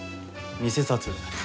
偽札。